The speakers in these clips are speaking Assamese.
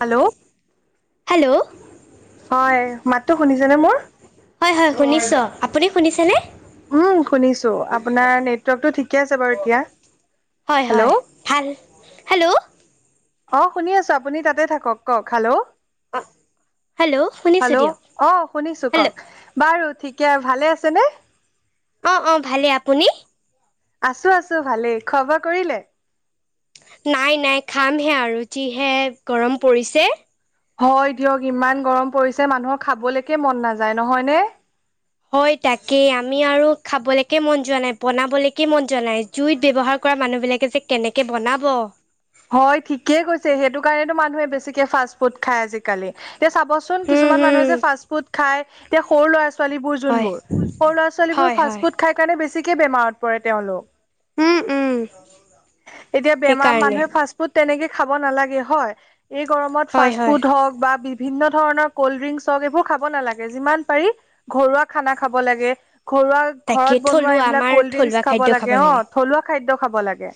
হেল্ল'? হেল্ল' হয়, মাতটো শুনিছেনে মোৰ? হয় হয় শুনিছো, আপুনি শুনিছেনে? উম শুনিছো, আপোনাৰ নেটৱৰ্কটো ঠিকে আছে বাৰু এতিয়া। হয় হয় হেল্ল'? ভাল। হেল্ল'? অ শুনি আছো আপুনি তাতে থাকক। কওক? হেল্ল'? হেল্ল' শুনিছোঁ হেল্ল'? দিয়ক অ শুনিছো, হেল্ল' কওক? বাৰু ঠিকে, ভালে আছেনে? অঁ অঁ ভালে, আপুনি? আছো আছো ভালেই। খোৱা বোৱা কৰিলে? নাই নাই খামহে আৰু যিহে গৰম পৰিছে। হয় দিয়ক, ইমান গৰম পৰিছে মানুহৰ খাবলৈকে মন নাযায় নহয়নে? হয়ঁ তাকেই আমি আৰু খাবলৈকে মন যোৱা নাই বনাবলৈকে মন যোৱা নাই। জুইত ব্যৱহাৰ কৰা মানুহবিলাকে যে কেনেকে বনাব। হয়ঁ ঠিকেই কৈছে সেইটো কাৰণেতো মানুহে বেছিকে ফাষ্ট ফুড খায় আজিকালি। এতিয়া চাবচোন হুম কিছুমান হুম মানুহে যে ফাষ্ট ফুড খাই এতিয়া সৰু ল'ৰা ছোৱালী,, ছোৱালীবোৰ হয় যোনবোৰ সৰু ল'ৰা ছোৱালীবোৰ হয় ফাষ্ট হয় ফুড খাই কাৰণে বেছিকে বেমাৰত পৰে তেওঁলোক। উম উম এতিয়া বেমাৰ সেইকাৰণে মানুহে,, ফাষ্ট ফুড তেনেকে খাব নালাগে হয়। এই গৰমত হয় ফাষ্ট হয় ফুড হক বা ভিন্ন ধৰণৰ কল্ড ড্ৰিংক হওক এইবোৰ খাব নালাগে যিমান পাৰি,,, ঘৰুৱা খানা খাব লাগে, ঘৰুৱা তাকে ঘৰত বনোৱা থলুৱা এইবিলাক আমাৰ কল্ড ড্ৰিংকচ থলুৱা খাব খাদ্য লাগে অঁ থলুৱা খাদ্য খাব লাগে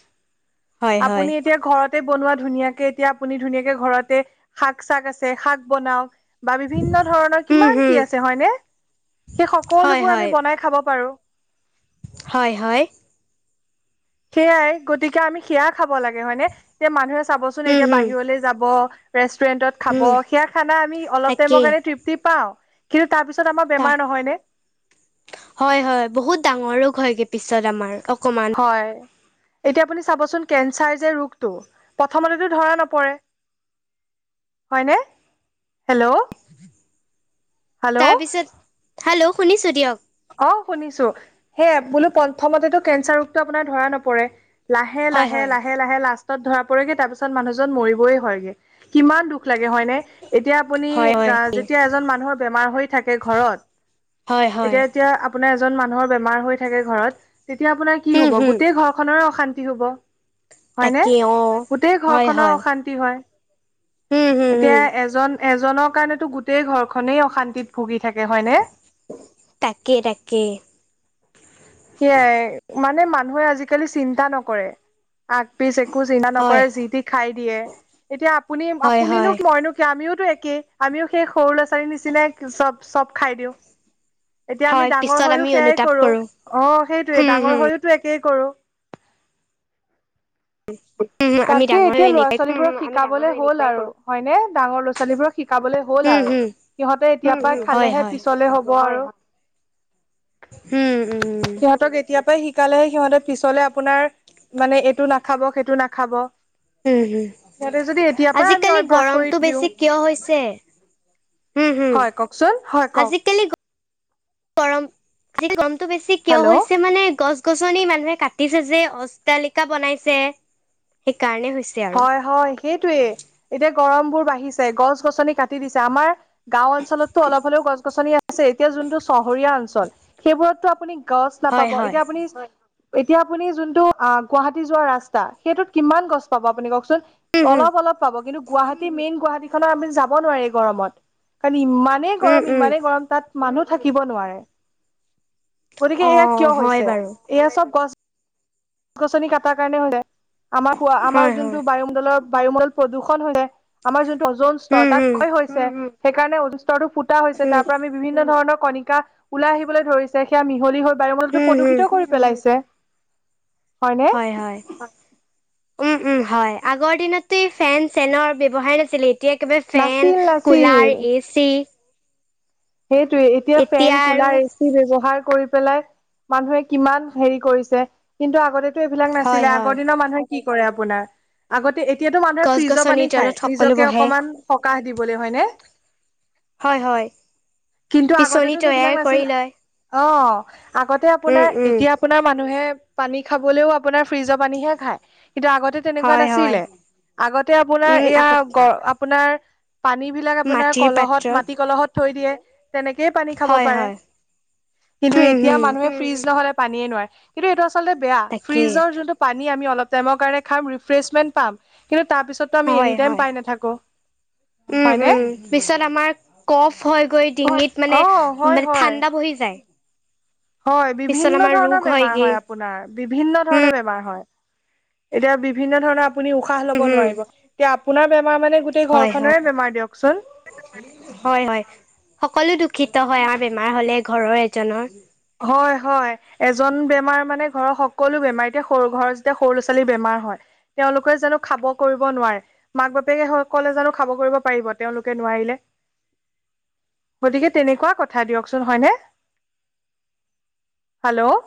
হয় হয় আপুনি। এতিয়া ঘৰতে বনোৱা ধুনীয়াকে এতিয়া আপুনি ধুনীয়াকে ঘৰতে শাক চাক আছে শাক বনাওঁক। বা বিভিন্ন ধৰণৰ উম কিমান হুম কি আছে হয়নে সেই হয় সকলোবোৰ আমি বনাই খাব পাৰো। হয়ঁ হয়ঁ। সেয়াই গতিকে আমি সেয়া খাব লাগে হয়নে এতিয়া মানুহে চাবচোন উম এতিয়া হুম বাহিৰলৈ যাব,,, ৰেষ্টুৰেন্টত খাব হুম সেয়া খানা আমি অলপ টাইমৰ তাকেই কাৰণে তৃপ্তি পাওঁ। কিন্তু তাৰপিছত আমাৰ বেমাৰ নহয়নে। হয়ঁ হয়ঁ বহুত ডাঙৰ ৰোগ হয়গে পিছত আমাৰ অকমান। হয়ঁ। এতিয়া আপুনি চাবচোন কেঞ্চাৰ যে ৰোগটো প্ৰথমতেতো ধৰা নপৰে। হয়নে হেলৌ! তাৰপিছত হেল্লৌ! শুনিছোঁ দিয়ক। অঁ শুনিছো সেই বোলো প্ৰথমতেতো কেঞ্চাৰ ৰোগটো আপোনাৰ ধৰা নপৰে। লাহে হয় লাহে লাহে। হয় লাহে লাহে লাষ্টত ধৰা পৰিগে তাৰ পিছত মানুহজন মৰিবই হয়গে কিমান দুখ লাগে হয়নে। এতিয়া আপুনি হয় হয় যেতিয়া এজন মানুহৰ বেমাৰ হৈ থাকে ঘৰত হয় হয় এতিয়া। যেতিয়া আপোনাৰ এজন মানুহৰ বেমাৰ হৈ থাকে ঘৰত তেতিয়া আপোনাৰ,, কি হুম হব হুম গোটেই ঘৰখনৰ অশান্তি হ'ব। হয়নে তাকে অ গোটেই হয় ঘৰখনৰ হয় অশান্তি হয় হুম হুম এতিয়া হুম এজন,,, এজনৰ কাৰণেতো গোটেই ঘৰখনেই অশান্তিত ভুগি থাকে হয় নে? তাকে তাকে। সেয়াই মানে মানুহে আজিকালি চিন্তা নকৰে। আগ পিচ একো চিন্তা হয় নকৰে যি তি খাই দিয়ে এতিয়া আপুনি হয় আপুনিনো হয় মইনো আমিওতো একেই আমিও সেই সৰু ল'ৰা ছোৱালীৰ নিচিনাই চব। চব খাই দিওঁ। এতিয়া আমি হয় ডাঙৰ পিছত হৈও আমি সেয়াই অনুতাপ কৰো। অঁ সেইটোৱে হুম ডাঙৰ হুম হৈয়ওতো একেই কৰো। হুম আমি তাকে ডাঙৰ এতিয়া ল'ৰা এনেকে ছোৱালীবোৰক শিকাবলে হ'ল আৰু হয়নে ডাঙৰ ল'ৰাৰ ছোৱালীবোৰক শিকাবলৈ হ'ল হুম আৰু হুম সিহঁতে এতিয়া পৰাই হয় খালেহে হয় পিছলে হ'ব আৰু। হুম উম সিহতক এতিয়াৰ পৰাই শিক সিকালেহে সিহঁতে পিছলে আপোনাৰ মানে এইটো নাখাব সেইটো নাখাব। উমঁ সিহঁতে যদি এতিয়াৰ হোম পৰাই আমি আজিকালি অভ্যাস কৰি গৰমতটো দিওঁ বেছি কিয় হৈছে? হোম হোম হয় কওকচোন হয় কওক আজিকালি গৰম গৰমতটো বেছি কিয় হেল্ল' হৈছে মানে গছ গছ গছনি মানুহে কাটিছে যে অজটালিকা বনাইছে সেইকাৰণে হৈছে। আৰু হযঁ হয়ঁ সেইটোৱে, এতিয়া গৰম বোৰ বাঢ়িছে গছ গছনি কাটি দিছে আমাৰ গাওঁ অঞ্চলতটো অলপ হলেও গছ গছনি আছে এতিয়া যোনটো চহৰীয়া অঞ্চল সেইবোৰতটো আপুনি। গছ হয় নাপাব হয় এতিয়া আপুনি, এতিয়া আপুনি যোনটো গুৱাহাটী যোৱা ৰাস্তা সেইটোত কিমান গছ পাব আপুনি কওকচোন। উম হম অলপ অলপ পাব কিন্তু গুৱাহাটী মেইন গুৱাহাটী খনৰ আমি যাব নোৱাৰি গৰমত কাৰণ ইমান, ইমানে উম গৰম উম ইমানেই গৰম তাত মানুহ থাকিব নোৱাৰে। গতিকে অ এয়া কিয় হয় হৈছে বাৰু এয়া চব গছ। ট্টগছ গছনি কটাৰ কাৰণে হলে আমাৰ হয় আমাৰ যোনটো হয় বায়ুমণ্ডলৰ বায়ুমণ্ডল প্ৰদূষণ হ'লে। আমাৰ যোনটো ওজন স্তৰ উম তাত হম কয় হৈছে সেইকাৰণে স্তৰটো ফুটা হৈছে উম তাৰ পৰা আমি, বিভিন্ন ধৰণৰ কণিকা ওলাই আহিবলৈ ধৰিছে সেয়া মিহলি হৈ বায়ুমলতো উম হম প্ৰদূষিত কৰি পেলাইছে। হয় নে। হয় উম উম হয় আগৰ দিনতো ফেন চেনৰ ব্যৱহাৰ নাছিলে। এতিয়া একেবাৰে ফেন নাছিল নাছিল কুলাৰ এ চি। সেইটোয়ে এতিয়া ফেন কুলাৰ এ চি, ব্যৱহাৰ কৰি পেলাই মানুহে কিমান হেৰি কৰিছে। কিন্তু আগতেতো এইবিলাক হয় নাছিলে হয় আগৰ দিনৰ মানুহে কি কৰে আপোনাৰ, আগতে এতিয়াতো মানুহে গছ ফ্ৰিজৰ গছনিৰ পানী তলত খায় সকলো নিজকে বহে অকমান সকাহ দিবলে হয়নে। হয় হয় কিন্তু আগতেতো বিচনী সেইবিলাক তৈয়াৰ নাছিল কৰি লয়। অ আগতে উম আপোনাৰ উম এতিয়া। আপোনাৰ মানুহে পানী খাবলৈও আপোনাৰ ফ্ৰিজৰ পানীহে খায় কিন্তু আগতে, তেনেকুৱা হয় হয় নাছিলে আগতে আপোনাৰ উম এয়া আগত গ আপোনাৰ। পানী বিলাক আপোনাৰ মাটিৰ কলহত পাত্ৰত মাটি কলহত থৈ দিয়ে। তেনেকেই পানী খাব হয় পাৰে হয় কিন্তু উম এতিয়া উম মানুহে ফ্ৰিজ নহ'লে পানীয়ে নোৱাৰে কিন্তু এইটো আচলতে বেয়া তাকেই ফ্ৰিজৰ যোনটো, পানী আমি অলপ টাইমৰ কাৰণে খাম ৰিফ্ৰেছমেন্ট পাম কিন্তু তাৰপিছত, ত' আমি এনি হয় টাইম হয় পাই নাথাকো উম হয় নে। উম পিছত আমাৰ কফ হৈ গৈ হয়। ডিঙিত মানে অ হয় মানে হয় ঠাণ্ডা বহি যায়। হয় পিছত বিভিন্ন আমাৰ ৰোগ ধৰণৰ বেমাৰ হয়গে হয় আপোনাৰ। বিভিন্ন উম ধৰণৰ বেমাৰ হয় এতিয়া বিভিন্ন ধৰণৰ আপুনি উশাহ লব উম নোৱাৰিব এতিয়া আপোনাৰ বেমাৰ মানে গোটেই হয় ঘৰখনেৰে হয় বেমাৰ দিয়কচোন। হয় হয় সকলো দুখিত হয় আমাৰ বেমাৰ হলে ঘৰৰ এজনৰ। হয় হয়। এজন বেমাৰ মানে ঘৰৰ সকলো বেমাৰ এতিয়া সৰু ঘৰত যেতিয়া সৰু ল'ৰা ছোৱালী বেমাৰ হয়। তেওঁলোকে জানো খাব কৰিব নোৱাৰে। মাক বাপেকে সকলে জানো খাব কৰিব পাৰিব তেওঁলোকে নোৱাৰিলে। গতিকে তেনেকুৱা কথা দিয়কচোন হয়নে। Hello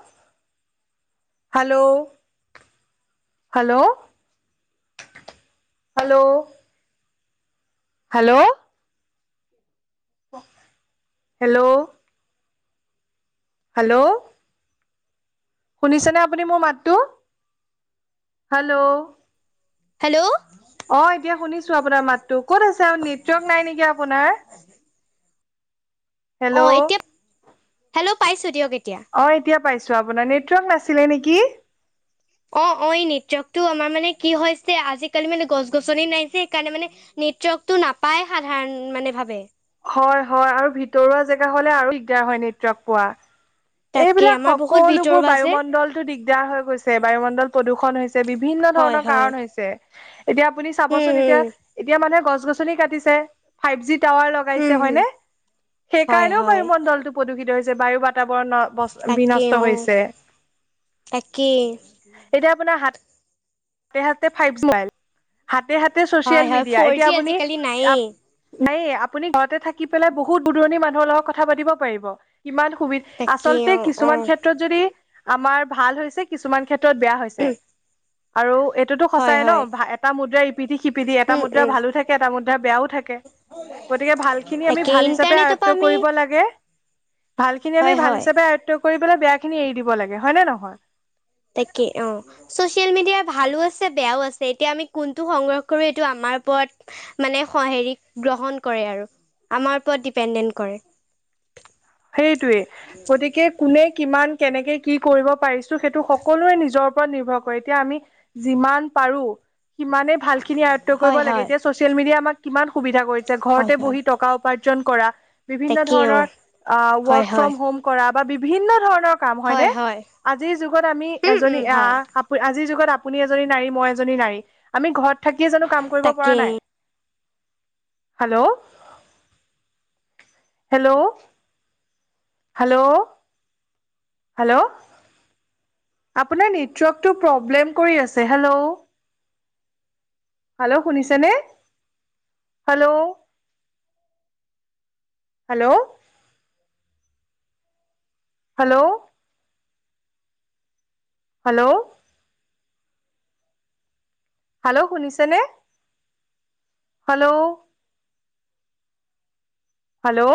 hello, hello, hello, hello, hello, hello, শুনিছেনে আপুনি মোৰ মাতটো হেল্ল', হেল্ল', অ এতিয়া শুনিছো আপোনাৰ মাতো ক'ত আছে আৰু নেটৱৰ্ক নাই নেকি আপোনাৰ। [inaudible] অ এতিয়া হেল্ল', পাইছো দিয়ক এতিয়া। অ', এতিয়া পাইছোঁ, আপোনাৰ নেটৱৰ্ক নাছিলে নেকি? অ', অ', এই নেতৱৰ্ক টো আমাৰ মানে কি হৈছে, আজিকালি মানে গছ-গছনি নাইজে, সেইকাৰণে মানে- নেতৱৰ্কটো নাপায় সাধাৰণ, মানে ভাবে। হয় হয় আৰু ভিতৰুৱা জেগা হ'লে আৰু দিগদাৰ হয়, নেতৱৰ্ক পোৱা। তাকেই এইবিলাক আমাৰ বহুত সকলোবোৰ ভিতৰুৱা যে বায়ুমণ্ডল- টো দিগদাৰ হৈ গৈছে, বায়ুমণ্ডল প্ৰদূষণ হৈছে। বিভিন্ন হয় ধৰণৰ হয় কাৰণ হৈছে। এতিয়া আপুনি চাবচোন উম এতিয়া, হুম এতিয়া মানুহে গছ-গছনি কাটিছে, ফাইভ জি টাৱাৰ হুম লগত হুম হয়নে, সেই হয় কাৰণেও হয় বায়ুমণ্ডলটো প্ৰদূষিত হৈছে, বায়ু বাতাবৰণত। তাকেই বিনষ্ট অ হৈছে, তাকেই এতিয়া আপোনাৰ হাত- হাতে হাতে ফাইভ ষ্টাইল, হাতে হাতে হয় চছিয়েল হয় মিডিয়া ফ'ৰ এতিয়া জি আপুনি আজিকালি নায়েই নাইয়ে, আপুনি ঘৰতে থাকি পেলাই বহুত দূৰ-দূৰণি মানুহৰ লগত কথা পাতিব পাৰিব, ইমান সুবিধা- তাকেই আচলতে অ অ কিছুমান ক্ষেত্ৰত যদি আমাৰ ভাল হৈছে, কিছুমান ক্ষেত্ৰত বেয়া হৈছে। আৰু এইটোতো হয় সঁচাই ন, হয় এটা মুদ্ৰাই- ইপিঠি সিপিঠি, এটা উম মুদ্ৰা উম ভালো থাকে, এটা মুদ্ৰা বেয়াও থাকে। গতিকে ভাল খিনি আমি তাকে ভাল হিচাপে ইণ্টাৰনেটৰ আয়ত্ব পৰা আমি কৰিব লাগে। ভালখিনি আমি হয় ভাল হয় হিচাপে আয়ত্ব কৰি পেলাই, বেয়া খিনি এৰি দিব লাগে হয় নে নহয়? তাকে অ', ছ'চিয়েল মিডিয়া ভালোঁ আছে, বেয়াও আছে। এতিয়া আমি কোনটো সংগ্ৰহ কৰোঁ, এইটো আমাৰ ওপৰত মানে হেৰি গ্ৰহণ কৰে আৰু, আমাৰ ওপৰত ডিপেণ্ডেণ্ট কৰে। সেইটোৱে, গতিকে কোনে কিমান কেনেকে কি কৰিব পাৰিছ সেইটো সকলোৱে নিজৰ ওপৰত নিৰ্ভৰ কৰে, এতিয়া আমি যিমান পাৰোঁ, সিমানে ভাল খিনি আয়ত্ব কৰিব হয় লাগে, হয় এতিয়া ছ'চিয়েল মিডিয়া আমাক কিমান সুবিধা কৰি দিছে, হয় ঘৰতে হয় বহি টকা উপাৰ্জন কৰা। বিভিন্ন তাকেই অ ধৰণৰ অ', হয় ৱৰ্ক হয় ফ্ৰম হোম কৰা বা বিভিন্ন ধৰণৰ- কাম হয় হয়নে, হয় আজিৰ যুগত আমি উম উম এজনী হয় আ আজিৰ যুগত আপুনি এজনী নাৰী, মই এজনী নাৰী, আমি ঘৰত থাকিয়ে জানোঁ কাম কৰিব পৰা তাকেই নাই। হেল্ল', হেল্ল', হেল্ল', হেল্ল', আপোনাৰ নেটৱৰ্কটো প্ৰব্লেম কৰি আছে, হেল্ল'। হেল্ল', শুনিছেনে? Hello, hello, hello, hello, hello, শুনিছেনে? Hello, hello,